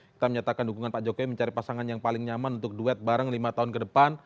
kita menyatakan dukungan pak jokowi mencari pasangan yang paling nyaman untuk duet bareng lima tahun ke depan